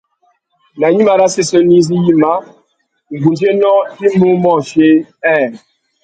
Nà gnïmá râ séssénô izí yïmá, ngundzénô i mú môchï : nhêê.